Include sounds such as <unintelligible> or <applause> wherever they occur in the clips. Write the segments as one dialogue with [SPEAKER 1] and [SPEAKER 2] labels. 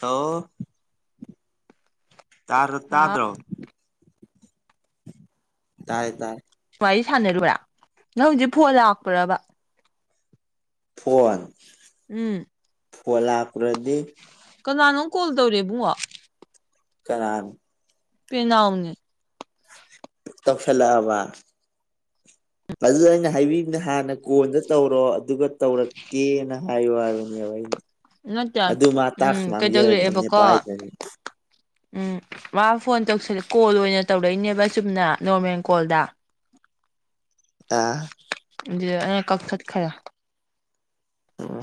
[SPEAKER 1] ꯇꯣ <unintelligible>
[SPEAKER 2] ꯑ
[SPEAKER 1] ꯇꯥꯗ꯭ꯔꯣ ꯇꯥꯏ ꯇꯥꯏ
[SPEAKER 2] ꯁꯨꯃꯥꯏ ꯁꯥꯟꯅꯔꯨꯔꯥ ꯅꯪ ꯍꯧꯖꯤꯛ ꯐꯣꯟ ꯂꯥꯛꯄ꯭ꯔꯥꯕ
[SPEAKER 1] ꯐꯣꯟ
[SPEAKER 2] ꯎꯝ
[SPEAKER 1] ꯐꯣꯟ ꯂꯥꯛꯄꯔꯥꯗꯤ
[SPEAKER 2] ꯀꯅꯥꯅꯣ ꯀꯣꯜ ꯇꯧꯔꯦ ꯏꯕꯨꯡꯉꯣ
[SPEAKER 1] ꯀꯅꯥꯅꯣ
[SPEAKER 2] ꯄꯤꯅꯥꯎꯅꯦ
[SPEAKER 1] ꯇꯧꯁꯜꯂꯛꯑꯕ ꯑꯗꯨ ꯑꯩꯅ ꯍꯥꯏꯕꯤꯅꯦ ꯍꯥꯟꯅ ꯀꯣꯟꯗ ꯇꯧꯔꯣ ꯑꯗꯨꯒ ꯇꯧꯔꯛꯀꯦꯅ ꯍꯥꯏꯌꯣ ꯍꯥꯏꯕꯅꯦꯕ ꯑꯩꯅ
[SPEAKER 2] ꯅꯠꯇꯦ
[SPEAKER 1] ꯑꯗꯨ ꯃꯥ ꯇꯥꯛꯁ
[SPEAKER 2] ꯎꯝ
[SPEAKER 1] ꯃꯥꯡꯖꯔꯗꯝꯅꯤ
[SPEAKER 2] ꯀꯩꯗꯧꯔꯛꯑꯦꯕꯀꯣ
[SPEAKER 1] ꯄꯥꯏꯗꯔ꯭ ꯗꯤ
[SPEAKER 2] ꯎꯝ ꯃꯥ ꯐꯣꯟ ꯇꯧꯁꯤꯜ ꯀꯣꯜ ꯑꯣꯏꯅ ꯇꯧꯔꯛꯏꯅꯦꯕ ꯆꯨꯝꯅ ꯅꯣꯔꯃꯦꯜ ꯀꯣꯜꯗ
[SPEAKER 1] <unintelligible>
[SPEAKER 2] ꯑꯗꯨꯗ ꯑꯩꯅ ꯀꯛꯊꯠꯈꯔꯦ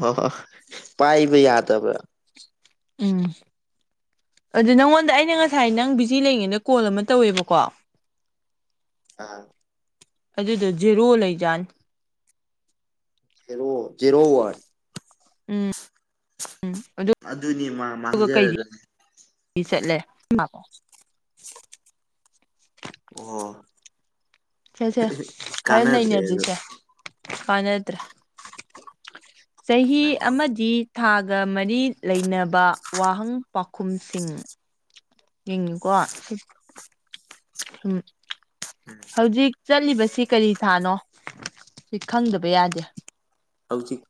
[SPEAKER 1] ꯑꯣ ꯍ ꯄꯥꯏꯕ ꯌꯥꯗꯕ꯭ꯔꯥ
[SPEAKER 2] ꯎꯝ ꯑꯗꯨ ꯅꯪꯉꯣꯟꯗ ꯑꯩꯅ ꯉꯁꯥꯏ ꯅꯪ ꯁꯤ ꯂꯩꯉꯩꯅ ꯀꯣꯜ ꯑꯃ ꯇꯧꯋꯦꯕꯀꯣ
[SPEAKER 1] ꯑꯥ
[SPEAKER 2] ꯑꯗꯨꯗꯣ ꯖꯦꯔꯣ ꯂꯩꯖꯥꯠꯅꯤ
[SPEAKER 1] ꯖꯦꯔꯣ ꯖꯦꯔꯣ ꯋꯥꯔ
[SPEAKER 2] ꯎꯝ ꯎꯝ ꯑꯗꯨꯗꯨꯒ
[SPEAKER 1] ꯑꯗꯨꯅꯦ ꯃꯥ
[SPEAKER 2] ꯀꯩꯗꯤ
[SPEAKER 1] ꯃꯥꯡꯖꯔꯒ
[SPEAKER 2] ꯆꯠꯂꯦ ꯃꯥꯀꯣ
[SPEAKER 1] <unintelligible> ꯑꯣ
[SPEAKER 2] ꯁꯦ ꯁꯦ ꯈꯔ
[SPEAKER 1] ꯀꯅꯥꯗ꯭ꯔꯦꯕ꯫
[SPEAKER 2] ꯅꯩꯅꯁꯤꯁꯦ ꯀꯥꯟꯅꯗ꯭ꯔꯦ ꯆꯍꯤ ꯑꯃꯗꯤ ꯊꯥꯒ ꯃꯔꯤ ꯂꯩꯅꯕ ꯋꯥꯍꯪ ꯄꯥꯎꯈꯨꯝꯁꯤꯡ ꯌꯦꯡꯉꯨꯀꯣ ꯍꯨꯝ꯫
[SPEAKER 1] ꯎꯝ꯫
[SPEAKER 2] ꯍꯧꯖꯤꯛ ꯆꯠꯂꯤꯕꯁꯤ ꯀꯔꯤ ꯊꯥꯅꯣ ꯁꯤ ꯈꯪꯗꯕ ꯌꯥꯗꯦ꯫
[SPEAKER 1] ꯍꯧꯖꯤꯛ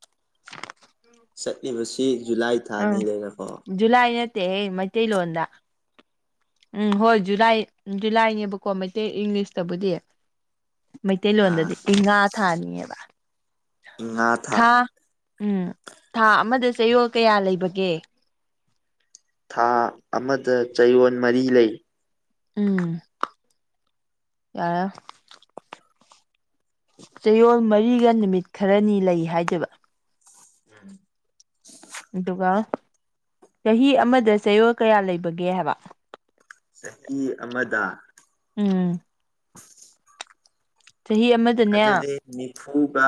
[SPEAKER 1] ꯆꯠꯂꯤꯕꯁꯤ ꯖꯨꯂꯥꯏ ꯊꯥ
[SPEAKER 2] ꯑꯥ
[SPEAKER 1] ꯑꯅꯤ ꯂꯩꯔꯦꯀꯣ꯫
[SPEAKER 2] ꯖꯨꯂꯥꯏ ꯅꯠꯇꯦꯍꯦ ꯃꯩꯇꯩꯂꯣꯟꯗ꯫ ꯎꯝ ꯍꯣꯏ ꯖꯨꯂꯥꯏ ꯖꯨꯂꯥꯏꯅꯦꯕꯀꯣ ꯃꯩꯇꯩ ꯏꯪꯂꯤꯁꯇꯕꯨꯗꯤ꯫
[SPEAKER 1] ꯑꯥ
[SPEAKER 2] ꯃꯩꯇꯩꯂꯣꯟꯗꯗꯤ ꯏꯤꯡꯉꯥ ꯊꯥꯅꯦꯕ ꯊꯥ ꯎꯝ ꯊꯥ ꯑꯃꯗ ꯆꯌꯣꯜ ꯀꯌꯥ ꯂꯩꯕꯒꯦ꯫
[SPEAKER 1] ꯊꯥ ꯑꯃꯗ ꯆꯌꯣꯜ ꯃꯔꯤ ꯂꯩ꯫
[SPEAKER 2] ꯎꯝ ꯌꯥꯔꯦ꯫ ꯆꯌꯣꯜ ꯃꯔꯤꯒ ꯅꯨꯃꯤꯠ ꯈꯔꯅꯤ ꯂꯩ ꯍꯥꯏꯗꯣꯏꯕ꯫
[SPEAKER 1] ꯎꯝ꯫
[SPEAKER 2] ꯑꯗꯨꯒ ꯆꯍꯤ ꯑꯃꯗ ꯆꯌꯣꯜ ꯀꯌꯥ ꯂꯩꯕꯒꯦ ꯍꯥꯏꯕ꯫
[SPEAKER 1] ꯆꯍꯤ ꯑꯃꯗ꯫
[SPEAKER 2] ꯎꯝ꯫ ꯆꯍꯤ ꯑꯃ
[SPEAKER 1] ꯑꯗꯨꯗꯤ ꯅꯤꯐꯨꯒ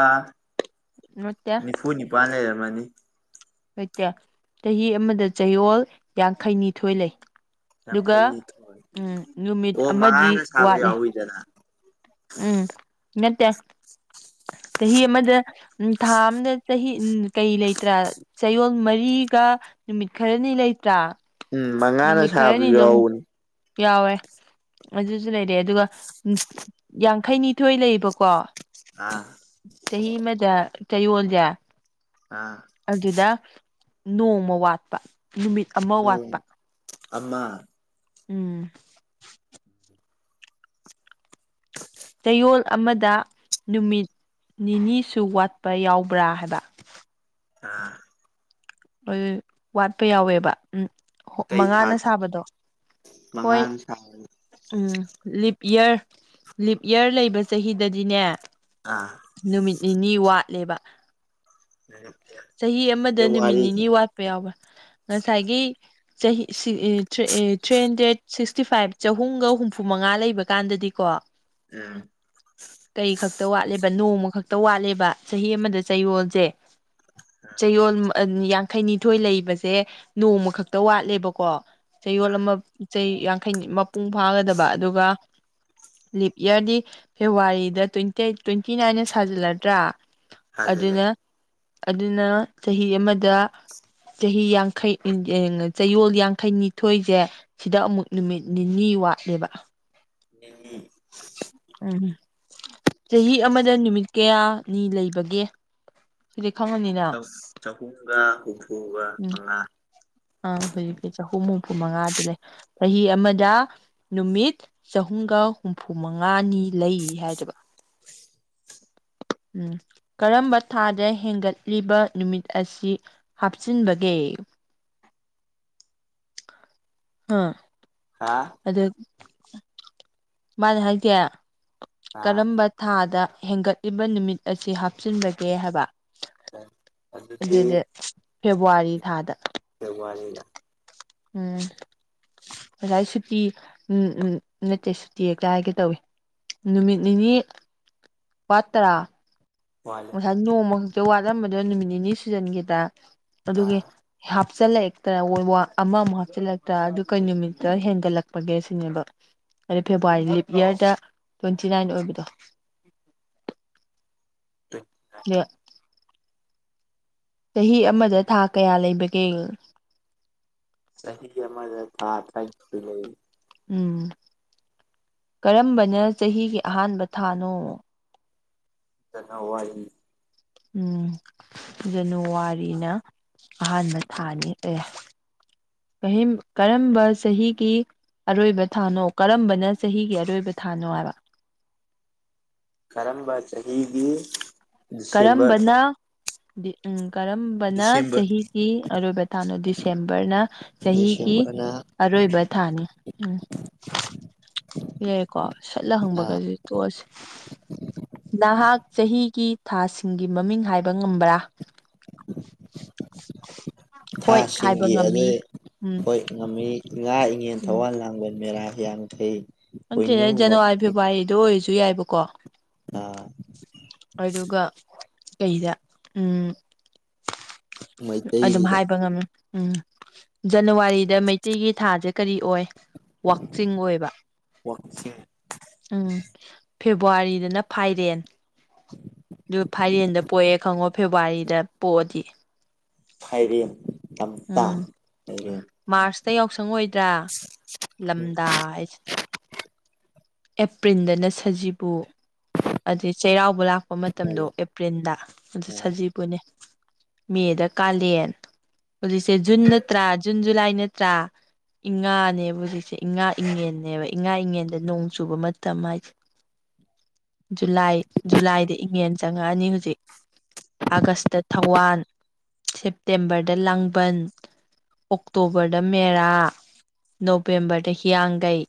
[SPEAKER 2] ꯅꯠꯇꯦ
[SPEAKER 1] ꯅꯤꯐꯨ ꯅꯤꯄꯥꯥꯟ ꯂꯩꯔꯝꯃꯅꯤ꯫
[SPEAKER 2] ꯂꯩꯇꯦ ꯆꯍꯤ ꯑꯃꯗ ꯆꯌꯣꯜ ꯌꯥꯡꯈꯩꯅꯤꯊꯣꯏ ꯂꯩ꯫ ꯑꯗꯨꯒ
[SPEAKER 1] ꯌꯥꯡꯈꯩꯅꯤꯊꯣꯏ
[SPEAKER 2] ꯎꯝ ꯅꯨꯃꯤꯠ
[SPEAKER 1] ꯑꯣ
[SPEAKER 2] ꯑꯃꯗꯤ
[SPEAKER 1] ꯃꯉꯥꯅ ꯁꯥꯕ
[SPEAKER 2] ꯋꯥꯠꯂꯤ꯫
[SPEAKER 1] ꯌꯥꯎꯋꯤꯗꯅ
[SPEAKER 2] ꯎꯝ ꯅꯠꯇꯦ꯫ ꯆꯍꯤ ꯑꯃꯗ ꯎꯝ ꯊꯥ ꯑꯃꯗ ꯆꯍꯤ ꯀꯩ ꯂꯩꯇ꯭ꯔꯥ ꯆꯌꯣꯜ ꯃꯔꯤꯒ ꯅꯨꯃꯤꯠ ꯈꯔꯅꯤ ꯂꯩꯇ꯭ꯔꯥ
[SPEAKER 1] ꯎꯝ ꯃꯉꯥꯅ
[SPEAKER 2] ꯅꯨꯃꯤꯠ ꯈꯔꯅꯤ
[SPEAKER 1] ꯁꯥꯕꯁꯨ
[SPEAKER 2] ꯑꯗꯨꯝ
[SPEAKER 1] ꯌꯥꯎꯕꯅꯤ꯫
[SPEAKER 2] ꯌꯥꯎꯋꯦ꯫ ꯑꯗꯨꯖꯨ ꯂꯩꯔꯦ ꯑꯗꯨꯒ ꯌꯥꯡꯈꯩꯅꯤꯊꯣꯏ ꯂꯩꯕꯀꯣ
[SPEAKER 1] ꯑꯥ꯫
[SPEAKER 2] ꯆꯍꯤ ꯑꯃꯗ ꯆꯌꯣꯜꯖꯦ꯫
[SPEAKER 1] ꯑꯥ꯫
[SPEAKER 2] ꯑꯗꯨꯗ ꯅꯣꯡꯃ ꯋꯥꯠꯄ ꯅꯨꯃꯤꯠ꯫ ꯑꯃ
[SPEAKER 1] ꯅꯣꯡ
[SPEAKER 2] ꯋꯥꯠꯄ
[SPEAKER 1] ꯑꯃ꯫
[SPEAKER 2] ꯎꯝ꯫
[SPEAKER 1] <unintelligible>
[SPEAKER 2] ꯆꯌꯣꯜ ꯑꯃꯗ ꯅꯨꯃꯤꯠ ꯅꯤꯅꯤꯁꯨ ꯋꯥꯠꯄ ꯌꯥꯎꯕ꯭ꯔꯥ ꯍꯥꯏꯕ꯫
[SPEAKER 1] ꯑꯥ꯫
[SPEAKER 2] ꯎꯜ ꯋꯥꯠꯄ ꯌꯥꯎꯋꯦꯕ ꯎꯝ꯫ ꯍꯣ
[SPEAKER 1] ꯀꯩ
[SPEAKER 2] ꯃꯉꯥꯅ
[SPEAKER 1] ꯊꯥꯗ
[SPEAKER 2] ꯁꯥꯕꯗꯣ ꯍꯣꯏ꯫
[SPEAKER 1] ꯃꯉꯥꯅ ꯁꯥꯕ
[SPEAKER 2] ꯎꯝ ꯂꯤꯞ ꯏꯌꯔ ꯂꯤꯞ ꯏꯌꯔ ꯂꯩꯕ ꯆꯍꯤꯗꯗꯤꯅꯦ
[SPEAKER 1] ꯑꯥ꯫
[SPEAKER 2] ꯅꯨꯃꯤꯠ ꯅꯤꯅꯤ ꯋꯥꯠꯂꯦꯕ꯫
[SPEAKER 1] ꯂꯤꯞ ꯏꯌꯥꯔ
[SPEAKER 2] ꯆꯍꯤ ꯑꯃꯗ ꯅꯨꯃꯤꯠ ꯅꯤꯅꯤ ꯋꯥꯠꯄ ꯌꯥꯎꯕ ꯉꯁꯥꯏꯒꯤ ꯆꯍꯤ three three hundred sixty five ꯆꯍꯨꯝꯒ ꯍꯨꯝꯐꯨ ꯃꯉꯥ ꯂꯩꯕ ꯀꯥꯟꯗꯗꯤ ꯀꯣ
[SPEAKER 1] ꯎꯝ
[SPEAKER 2] ꯀꯩ ꯈꯛꯇ ꯋꯥꯠꯂꯦꯕ ꯅꯣꯡꯃ ꯈꯛꯇ ꯋꯥꯠꯂꯦꯕ ꯆꯍꯤ ꯑꯃꯗ ꯆꯌꯣꯜꯁꯦ ꯫ ꯆꯌꯣꯜ ꯌꯥꯡꯈꯩꯅꯤꯊꯣꯏ ꯂꯩꯕꯁꯦ ꯅꯣꯡꯃ ꯈꯛꯇ ꯋꯥꯠꯂꯦꯕꯀꯣ ꯫ ꯆꯌꯣꯜ ꯑꯃ ꯆꯩ ꯌꯥꯡꯈꯩ ꯃꯄꯨꯡ ꯐꯥꯒꯗꯕ ꯑꯗꯨꯒ ꯂꯤꯞ ꯏꯌꯥꯔꯗꯤ ꯐꯦꯕꯋꯥꯔꯤꯗ ꯇ꯭ꯋꯦꯟꯇꯤꯑꯦꯠ ꯇ꯭ꯋꯦꯟꯇꯤ ꯅꯥꯏꯅ ꯁꯥꯖꯤꯜꯂꯗ꯭ꯔꯥ
[SPEAKER 1] ꯊꯥꯖꯤꯜꯂꯦ
[SPEAKER 2] ꯑꯗꯨꯅ ꯑꯗꯨꯅ ꯆꯍꯤ ꯑꯃꯗ ꯆꯍꯤ ꯌꯥꯡꯈꯩ ꯆꯌꯣꯜ ꯌꯥꯡꯈꯩꯅꯤꯊꯣꯏꯁꯦ ꯁꯤꯗ ꯑꯃꯨꯛ ꯅꯨꯃꯤꯠ ꯅꯤꯅꯤ ꯋꯥꯠꯂꯦꯕ ꯫
[SPEAKER 1] ꯅꯤꯅꯤ
[SPEAKER 2] ꯎꯝ ꯆꯍꯤ ꯑꯃꯗ ꯅꯨꯃꯤꯠ ꯀꯌꯥꯅꯤ ꯂꯩꯕꯒꯦ? ꯁꯥꯗꯤ ꯈꯪꯉꯝꯅꯤꯅ ꯫
[SPEAKER 1] ꯆꯪ ꯆꯍꯨꯝꯒ ꯍꯨꯝꯐꯨꯒ ꯃꯉꯥ ꯫
[SPEAKER 2] ꯑ ꯍꯧꯖꯤꯇꯤ ꯆꯍꯨꯝ ꯍꯨꯝꯐꯨ ꯃꯉꯥꯗꯨ ꯂꯩ ꯆꯍꯤ ꯑꯃꯗ ꯅꯨꯃꯤꯠ ꯆꯍꯨꯝꯒ ꯍꯨꯝꯐꯨꯃꯉꯥꯅꯤ ꯂꯩ ꯍꯥꯏꯗ‌ꯣꯏꯕ ꯫ ꯎꯝ ꯀꯔꯝꯕ ꯊꯥꯗ ꯍꯦꯟꯒꯠꯂꯤꯕ ꯅꯨꯃꯤꯠ ꯑꯁꯤ ꯍꯥꯞꯆꯤꯟꯕꯒꯦ? ꯍꯥꯥ
[SPEAKER 1] ꯍꯥꯥ
[SPEAKER 2] ꯑꯗꯨ ꯃꯥꯅ ꯍꯥꯏꯁꯦ
[SPEAKER 1] ꯑꯥ
[SPEAKER 2] ꯀꯔꯝꯕ ꯊꯥꯗ ꯍꯦꯟꯒꯠꯂꯤꯕ ꯅꯨꯃꯤꯠ ꯑꯁꯤ ꯍꯥꯞꯆꯤꯟꯕꯒꯦ ꯍꯥꯏꯕ ꯫ ꯑꯗꯨꯗꯤ ꯐꯦꯕꯋꯥꯔꯤ ꯊꯥꯗ ꯫
[SPEAKER 1] ꯐ‌ꯦꯕꯋꯥꯔꯤꯅ
[SPEAKER 2] ꯎꯝ ꯉꯖꯥꯏ ꯁꯨꯇꯤ ꯎꯝ ꯎꯝ ꯅꯠꯇꯦ ꯁꯨꯇꯤ ꯍꯦꯛꯇꯥ ꯍꯏꯒꯦ ꯇꯧꯋ‌ꯦ ꯫ ꯅꯨꯃꯤꯠ ꯅꯤꯅꯤ ꯋꯥꯠꯇꯔꯥ?
[SPEAKER 1] ꯋꯥꯠ
[SPEAKER 2] ꯉꯁꯥꯏ ꯅꯣꯡꯃ ꯈꯛꯇ ꯋꯥꯠꯂꯝꯕꯗꯨ ꯅꯨꯃꯤꯠ ꯅꯤꯅꯤ ꯁꯨꯖꯟꯈꯤꯗ ꯑꯗꯨꯒꯤ ꯍꯥꯞꯆꯤꯜꯂꯛꯇ꯭ꯔ ꯑꯃꯃꯨꯛ ꯍꯥꯞꯆꯤꯜꯂꯛꯇꯔꯥ ꯑꯗꯨ ꯀꯩ ꯅꯨꯃꯤꯠꯇ ꯍꯦꯟꯒꯠꯂꯛꯄꯒꯦ ꯁꯤꯅꯦꯕ ꯫ ꯍꯥꯏꯗꯤ ꯐꯦꯕꯋꯥꯔꯤ ꯂꯤꯞ ꯏꯌꯥꯔꯗ ꯇ꯭ꯋꯦꯟꯇꯤ ꯅꯥꯏꯟ ꯑꯣꯏꯕꯗꯣ ꯫
[SPEAKER 1] ꯇ‌ꯣꯏꯟ
[SPEAKER 2] ꯑ ꯆꯍꯤ ꯑꯃꯗ ꯊꯥ ꯀꯌꯥ ꯂꯩꯕꯒꯦ?
[SPEAKER 1] ꯆꯍꯤ ꯑꯃꯗ ꯊꯥꯏ ꯇꯔꯥꯅꯤꯊ‌ꯣꯏ ꯂꯩ ꯫
[SPEAKER 2] ꯎꯝ ꯀꯔꯝꯕꯅ ꯆꯍꯤꯒꯤ ꯑꯍꯥꯟꯕ ꯊꯥꯅꯣ?
[SPEAKER 1] ꯖ‌ꯦꯅꯋꯥꯔꯤ
[SPEAKER 2] ꯎꯝ ꯖꯅꯨꯋꯥꯔꯤꯅ ꯑꯍꯥꯟꯕ ꯊꯥꯅꯤ ꯑꯦ ꯫ ꯆꯍꯤꯝ ꯀꯔꯝꯕ ꯆꯍꯤꯒꯤ ꯑꯔꯣꯏꯕ ꯊꯥꯅꯣ ꯀꯔꯝꯕꯅ ꯆꯍꯤꯒꯤ ꯑꯔꯣꯏꯕ ꯊꯥꯅꯣ ꯍꯥꯏꯕ ꯫
[SPEAKER 1] ꯀꯔꯝꯕ ꯆꯍꯤꯒꯤ ꯗꯤꯁꯦꯝꯕꯔ
[SPEAKER 2] ꯀꯔꯝꯕꯅ ꯎꯝ ꯀꯔꯝ ꯕꯅ
[SPEAKER 1] ꯗꯤꯁꯦꯝꯕꯔ
[SPEAKER 2] ꯆꯍꯤꯒꯤ ꯑꯔꯣꯏꯕ ꯊꯥꯅ‌ꯣ ꯗꯤꯁꯦꯝꯕꯔꯅ ꯆꯍꯤꯒꯤ
[SPEAKER 1] ꯗꯤꯁꯦꯝꯕꯔꯅ
[SPEAKER 2] ꯑꯔꯣꯏꯕ ꯊꯥꯅꯤ ꯎꯝ ꯁꯤꯂꯩꯔ‌ꯦꯀꯣ ꯁꯠꯂ ꯍꯪꯕꯒꯁꯨ ꯇ‌ꯣꯛꯑꯁ‌ꯦ ꯅꯍꯥꯛ ꯆꯍꯤꯒꯤ ꯊꯥꯁꯤꯡꯒꯤ ꯃꯃꯤꯡ ꯍꯥꯏꯕ ꯉꯝꯕ꯭ꯔꯥ? ꯍꯣꯏ ꯍꯥꯏꯕ
[SPEAKER 1] ꯊꯥꯁꯤꯡꯒꯤ
[SPEAKER 2] ꯉꯝꯃꯤ
[SPEAKER 1] ꯑꯗꯩ
[SPEAKER 2] ꯎꯝ
[SPEAKER 1] ꯍꯣꯏ ꯉꯝꯃꯤ ꯉꯥ ꯏꯉꯦꯟ ꯊꯋꯥꯜ ꯂꯥꯡꯕꯜ ꯃꯦꯔꯥ ꯍꯤꯌꯥꯡꯒꯩ
[SPEAKER 2] ꯅꯥꯠꯇꯦꯗꯥ ꯖꯅꯋꯥꯔꯤ ꯐꯦꯕꯋꯥꯔꯤꯗꯣ ꯑꯣꯏꯖꯨ ꯌꯥꯏꯕꯀꯣ
[SPEAKER 1] ꯑꯥ
[SPEAKER 2] ꯑꯗꯨꯒ ꯀꯩꯗ ꯎꯝ ꯑꯗꯨꯝ
[SPEAKER 1] ꯃꯩꯇꯩꯒꯤꯗ
[SPEAKER 2] ꯍꯥꯏꯕ ꯉꯝ ꯎꯝ ꯖꯅꯋꯥꯔꯤꯗ ꯃꯩꯇꯩꯒꯤ ꯊꯥꯖꯦ ꯀꯔꯤ ꯑꯣꯏ ꯋꯥꯛꯆꯤꯡ ꯑꯣꯏꯕ
[SPEAKER 1] ꯋꯥꯛꯆꯤꯡ
[SPEAKER 2] ꯎꯝ ꯐꯦꯕꯋꯥꯔꯤꯗꯅ ꯐꯥꯏꯔꯦꯟ ꯗꯨ ꯐꯥꯏꯔꯦꯟꯗ ꯄꯣꯛꯑꯦ ꯈꯪꯉꯣ ꯐꯦꯕꯋꯥꯔꯤꯗ ꯄꯣꯛꯑꯗꯤ
[SPEAKER 1] ꯐꯥꯏꯔꯦꯟ ꯇꯝꯇꯥ
[SPEAKER 2] ꯎꯝ
[SPEAKER 1] ꯍꯩꯔꯦ
[SPEAKER 2] ꯃꯥꯔꯁꯇ ꯌꯥꯎꯁꯪ ꯑꯣꯏꯗ꯭ꯔꯥ ꯂꯝꯗꯥ ꯍꯥꯏꯁꯤ ꯑꯦꯄ꯭ꯔꯤꯜꯗꯅ ꯁꯖꯤꯕꯨ ꯑꯗꯩ ꯆꯩꯔꯥꯎꯕ ꯂꯥꯛ ꯃꯇꯝꯗꯣ ꯑꯦꯄ꯭ꯔꯤꯜꯗ ꯑꯗꯨ ꯁꯖꯤꯕꯨꯅꯦ ꯃꯦꯗ ꯀꯥꯂꯦꯟ ꯍꯧꯖꯤꯛꯁꯦ ꯖꯨꯟ ꯅꯠꯇ꯭ꯔꯥ ꯖꯨꯟ ꯖꯨꯂꯥꯏ ꯅꯠꯇ꯭ꯔꯥ ꯏꯪ ꯉꯥꯅꯦ ꯍꯧꯖꯤꯛꯁꯦ ꯏ ꯉꯥ ꯏꯉꯦꯅꯦꯕ ꯏꯉꯥ ꯏꯉꯦꯟꯗ ꯅꯣꯡ ꯆꯨꯕ ꯃꯇꯝ ꯍꯥꯏꯖꯦ ꯖꯨꯂꯥꯏ ꯖꯨꯂꯥꯏꯗ ꯏꯉꯦꯟ ꯆꯪꯉꯛꯑꯅꯤ ꯍꯨꯖꯤꯛ ꯑꯥꯒꯁꯇ ꯊꯥꯋꯥꯟ ꯁꯦꯞꯇꯦꯝꯕꯔꯗ ꯂꯥꯡꯕꯟ ꯑꯣꯛꯇꯣꯕꯔꯗ ꯃꯦꯔꯥ ꯅꯣꯕꯦꯝꯕꯔꯗ ꯍꯤꯌꯥꯡꯒꯩ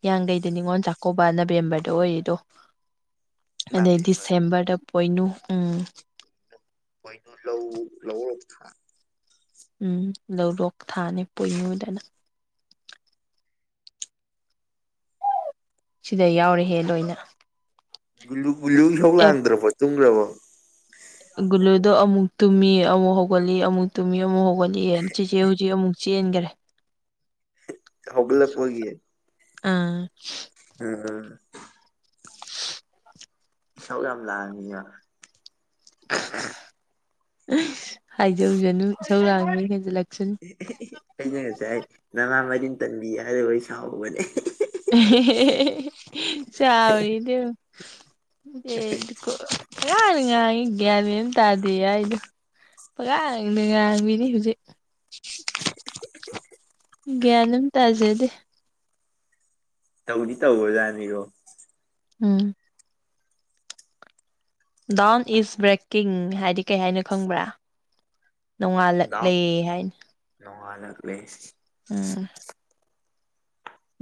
[SPEAKER 2] ꯍꯤꯌꯥꯡꯒꯩꯗ ꯅꯤꯉꯣꯟ ꯆꯥꯛꯀꯧꯕ ꯅꯕꯦꯝꯕꯔꯗ ꯑꯣꯏꯔꯤꯗꯣ ꯑꯗꯩ ꯗꯤꯁꯦꯝꯕꯔꯗ ꯄꯣꯏꯅꯨ ꯎꯝ
[SPEAKER 1] ꯄꯣꯏꯅꯨ ꯂꯧ ꯂꯧꯔꯣꯛ ꯊꯥ
[SPEAKER 2] ꯎꯝ ꯂꯧꯔꯣꯛ ꯊꯥꯅꯤ ꯄꯣꯏꯅꯨꯗꯅ ꯁꯤꯗ ꯌꯥꯎꯔꯦꯍꯦ ꯂꯣꯏꯅ
[SPEAKER 1] ꯒꯨꯨ ꯒꯨꯂꯨ ꯏꯁꯧ
[SPEAKER 2] ꯑꯦ
[SPEAKER 1] ꯂꯥꯡꯗ꯭ꯔꯕꯣ ꯇꯨꯝꯈ꯭ꯔꯕꯣ
[SPEAKER 2] ꯒꯨꯂꯨꯗꯣ ꯑꯃꯨꯛ ꯇꯨꯝꯃꯤ ꯑꯃꯨꯛ ꯍꯧꯒꯠꯂꯤ ꯑꯃꯨꯛ ꯇꯨꯝꯃꯤ ꯑꯃꯨꯛ ꯍꯧꯒꯠꯂꯤ ꯆꯤꯆꯦ ꯍꯧꯖꯤꯛ ꯑꯃꯨꯛ ꯆꯦꯟꯒꯔꯦ
[SPEAKER 1] ꯍꯧꯒꯠꯂꯛꯄꯥꯒꯤ
[SPEAKER 2] ꯑꯥ
[SPEAKER 1] ꯎꯝ ꯏꯁꯧ ꯌꯥꯝ ꯂꯥꯡꯉꯤꯅ
[SPEAKER 2] ꯑꯁ ꯍꯥꯏꯖꯧꯖꯅꯨ ꯁꯧꯔꯥꯡꯅꯤ ꯍꯦꯟꯖꯜꯂꯛꯁꯅꯤ
[SPEAKER 1] ꯑꯩꯁꯡꯅ ꯉꯁꯥꯏ ꯅꯃꯥ ꯃꯔꯤꯟ ꯇꯝꯕꯤ ꯍꯥꯏꯔꯨꯕꯩ ꯁꯥꯎꯍꯧꯕꯅꯦ
[SPEAKER 2] ꯆꯥꯎꯔꯤꯗꯨ ꯌꯦꯡ ꯄꯉꯪꯗ ꯉꯥꯡꯏ ꯒꯌ꯭ꯥꯟ ꯃꯦꯜ ꯑꯃ ꯇꯥꯗꯦ ꯍꯥꯏꯗꯨ ꯄꯉꯥꯡꯗ‌ ꯉꯥꯡꯕꯤꯅꯤ ꯍꯨꯖꯤꯛ ꯒꯤꯌꯥꯟ ꯑꯝ ꯇꯥꯖꯦꯗꯦ
[SPEAKER 1] ꯇꯧꯗꯤ ꯇꯧꯕꯖꯥꯅꯤꯒꯣ
[SPEAKER 2] ꯎꯝ ꯗꯥꯎꯟ ꯏꯁ ꯕ꯭ꯔꯦꯛꯀꯤꯡ ꯍꯥꯏꯗꯤ ꯀꯩ ꯍꯥꯏꯅꯣ ꯈꯪꯕ꯭ꯔꯥ ꯅꯣꯡꯉꯥꯜꯂꯛꯂꯦ ꯍꯥꯏꯅ
[SPEAKER 1] ꯅꯣꯡꯉꯥꯟꯂꯛꯂꯦ
[SPEAKER 2] ꯎꯝ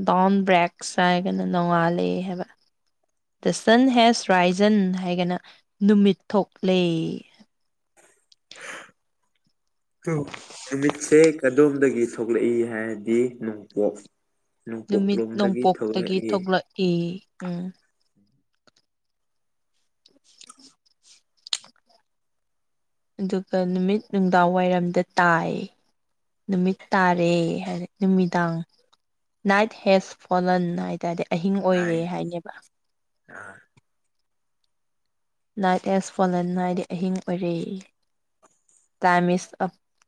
[SPEAKER 2] ꯗꯥꯎꯟ ꯕ꯭ꯔꯦꯛꯁ ꯍꯥꯏꯒꯅ ꯅꯣꯡꯉꯟꯂꯦ ꯍꯥꯏꯕ ꯗ ꯁꯟ ꯍꯦꯁ ꯔꯥꯏꯖꯟ ꯍꯥꯏꯒꯅ ꯅꯨꯃꯤꯠ ꯊꯣꯛꯂꯦ <unintelligible>
[SPEAKER 1] ꯇꯨ ꯅꯨꯃꯤꯠꯁꯦ ꯀꯗꯣꯝꯗꯒꯤ ꯊꯣꯛꯂꯛꯏ ꯍꯥꯏꯔꯗꯤ ꯅꯣꯡꯄꯣꯛ ꯅꯣꯡꯄꯣꯛꯂꯣꯝꯗꯒꯤ ꯊꯣꯛꯂꯛꯏ
[SPEAKER 2] ꯢ ꯎꯝ <unintelligible> ꯑꯗꯨꯒ ꯅꯨꯃꯤꯠ ꯅꯨꯡꯗꯥꯡ ꯋꯥꯏꯔꯝꯗ ꯇꯥꯏ ꯅꯨꯃꯤꯠ ꯇꯥꯔꯦ ꯍꯥꯏꯗꯤ ꯅꯨꯃꯤꯗꯥꯡ ꯅꯥꯏꯠ ꯍꯦꯖ ꯐꯣꯜꯟ ꯍꯥꯏꯗꯨ ꯍꯥꯏꯇꯥꯔꯗꯤ ꯑꯍꯤꯡ
[SPEAKER 1] ꯅꯥꯏ
[SPEAKER 2] ꯑꯣꯏꯔꯦ ꯍꯥꯏꯅꯦꯕ
[SPEAKER 1] ꯑꯥ
[SPEAKER 2] ꯅꯥꯏꯠ ꯑꯦꯁ ꯐꯣꯜꯂꯟ ꯅꯥꯏꯗꯤ ꯑꯍꯤꯡ ꯑꯣꯏꯔꯦ time is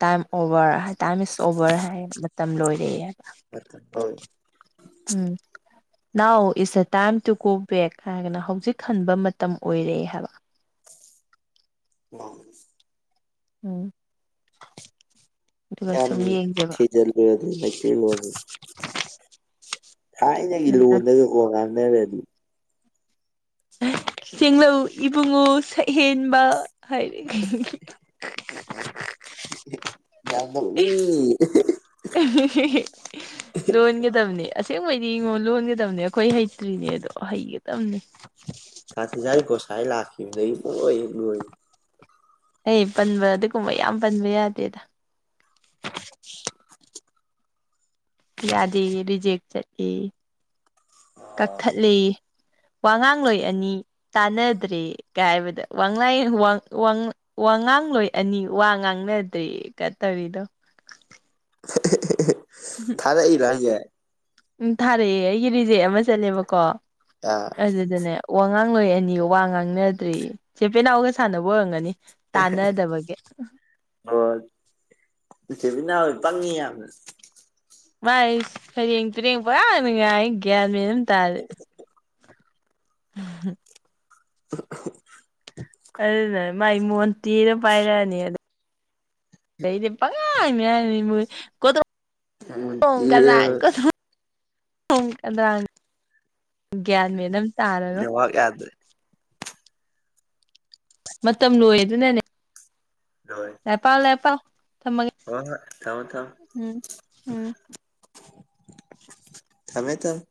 [SPEAKER 2] time over high time is over ꯍꯥꯏ ꯃꯇꯝ ꯂꯣꯏꯔꯦ ꯎꯝ now it's a time to go back ꯍꯥꯏꯔꯒꯅ ꯍꯧꯖꯤꯛ ꯍꯟꯕ ꯃꯇꯝ ꯑꯣꯏꯔꯦ ꯍꯥꯏꯕ
[SPEAKER 1] <unintelligible>
[SPEAKER 2] ꯎꯝ ꯑꯗꯨꯒ
[SPEAKER 1] ꯌꯥꯝ
[SPEAKER 2] ꯁꯨꯝ ꯌꯦꯡꯖꯦꯕ
[SPEAKER 1] ꯊꯤꯖꯤꯜꯂꯨꯔꯗꯤ ꯃꯩꯇꯩ ꯂꯣꯟꯁꯤ ꯊꯥꯏꯅꯒꯤ
[SPEAKER 2] ꯎꯝ.
[SPEAKER 1] ꯂꯣꯜꯗꯑ ꯀꯣ ꯉꯥꯟꯅꯔꯗꯤ
[SPEAKER 2] ꯆꯦꯡꯂꯧ ꯏꯕꯨꯡꯉꯣ ꯁꯛꯍꯦꯟꯕ ꯍꯥꯏꯔ <unintelligible> <unintelligible>
[SPEAKER 1] ꯌꯥꯝ ꯅꯣꯛꯅꯤꯡꯅꯤ <unintelligible>
[SPEAKER 2] <unintelligible> ꯂꯣꯟꯒꯗꯕꯅꯦ ꯑꯁꯦꯡꯕꯩꯗꯤꯉꯣ ꯂꯣꯟꯒꯗꯕꯅꯦ ꯑꯈꯣꯏ ꯍꯩꯇ꯭ꯔꯤꯅꯦ ꯑꯗꯣ ꯍꯩꯒꯇꯕꯅꯦ
[SPEAKER 1] ꯁꯥꯇꯤꯗꯥꯏꯒꯣꯁꯥꯏ ꯂꯥꯛꯈꯤꯕꯗꯩ ꯄꯨꯡꯂꯣꯏ ꯍꯦꯛ ꯂꯣꯏ
[SPEAKER 2] ꯍꯩ ꯄꯟꯕ ꯑꯗꯨꯒꯨꯝꯕ ꯌꯥꯝ ꯄꯟꯕ ꯌꯥꯗꯦꯗ ꯌꯥꯗꯦꯌꯦ ꯔꯤꯖꯦꯛ ꯆꯠꯂꯦꯌꯦ
[SPEAKER 1] ꯑ
[SPEAKER 2] ꯀꯛꯊꯠꯂꯦꯌꯦ ꯋꯥꯉꯥꯡꯂꯣꯏ ꯑꯅꯤ ꯇꯥꯟꯅꯗ꯭ꯔꯦ ꯀ ꯍꯥꯏꯕꯗ ꯋꯥꯡꯂꯥꯏ ꯋꯥꯡ ꯋꯥꯡ ꯋꯥ ꯉꯥꯡꯂꯣꯏ ꯑꯅꯤ ꯋꯥ ꯉꯥꯡꯅꯗ꯭ꯔꯦ ꯀ ꯇꯧꯏꯗꯣ
[SPEAKER 1] <unintelligible>
[SPEAKER 2] <unintelligible>
[SPEAKER 1] ꯑꯗ ꯏꯔꯤꯔꯣ ꯍꯥꯢꯖꯦ
[SPEAKER 2] ꯎꯝ ꯊꯥꯔꯛꯑꯦ ꯑꯩꯒꯤ ꯔꯤꯖꯦꯛ ꯑꯃ ꯆꯠꯂꯦꯕꯀꯣ
[SPEAKER 1] ꯑꯥ
[SPEAKER 2] ꯑꯗꯨꯗꯅꯦ ꯋꯥ ꯉꯥꯡ ꯂꯣꯏ ꯑꯅꯤ ꯋꯥ ꯉꯥꯡꯅꯗ꯭ꯔꯦ ꯆꯦ ꯄꯦꯅꯥꯎꯒ ꯁꯥꯟꯅꯕ ꯑꯣꯏꯔꯝꯒꯅꯤ ꯇꯥꯅꯗꯕꯒꯤ
[SPEAKER 1] ꯑꯣ ꯏꯆꯦꯕꯤꯅꯥꯎ ꯄꯪꯉꯤ ꯌꯥꯝꯅ
[SPEAKER 2] ꯃꯥꯏ ꯐꯩꯔꯦꯡ ꯇꯨꯔꯦꯡ ꯄꯪꯉꯥꯡꯗ ꯉꯥꯡꯉꯤ ꯒ꯭ꯌꯥꯟ ꯃꯦꯟ ꯑꯝ ꯇꯥꯗꯦ <unintelligible>
[SPEAKER 1] <unintelligible>
[SPEAKER 2] ꯑꯗꯨꯅ ꯃꯥꯏ ꯃꯣꯟꯇꯦꯅ ꯄꯥꯏꯔꯛꯑꯅꯤ ꯑꯗ ꯗꯩꯗꯤ ꯄꯪꯉꯥꯡ ꯉꯥꯡꯅꯤ ꯃꯣꯢ ꯀꯣꯗ꯭ꯔꯣꯡ ꯀꯗ꯭ꯔꯥꯡ ꯀꯣꯗ꯭ꯔꯣꯡ ꯗ꯭ꯔꯣꯡ ꯀꯗ꯭ꯔꯥꯡ ꯒ꯭ꯌꯥꯟ ꯃꯦꯟ ꯑꯝ ꯇꯥꯔꯔꯣꯏ
[SPEAKER 1] ꯄꯥꯛ ꯌꯥꯗ꯭ꯔꯦ
[SPEAKER 2] ꯃꯇꯝ ꯂꯣꯏ ꯑꯗꯨꯅꯅꯦ
[SPEAKER 1] ꯂꯣꯏ
[SPEAKER 2] ꯂꯥꯏꯛ ꯄꯥꯎ ꯂꯥꯢꯛ ꯄꯥꯎ ꯊꯝꯃꯒꯦ
[SPEAKER 1] ꯊꯝꯃꯣ ꯊꯝꯃꯣ
[SPEAKER 2] ꯎꯝ ꯎꯝ
[SPEAKER 1] ꯊꯝꯃꯦ ꯊꯝꯃꯦ꯫